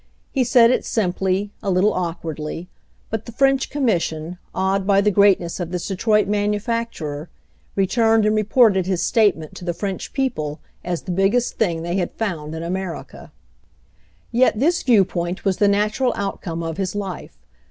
He said it simply, a little awkwardly, but the French commission, awed by the greatness of this Detroit manufacturer, returned and re ported his statement to the French people as the biggest thing they had found in America. Yet this viewpoint was the natural outcome of his life.